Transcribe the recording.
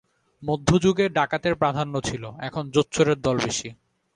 মধ্যযুগে ডাকাতের প্রাধান্য ছিল, এখন জোচ্চোরের দল বেশী।